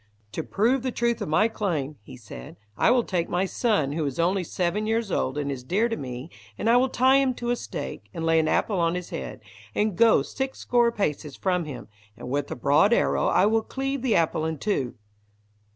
"To prove the truth of my claim," he said, "I will take my son, who is only seven years old and is dear to me, and I will tie him to a stake, and lay an apple on his head, and go six score paces from him, and with a broad arrow I will cleave the apple in two."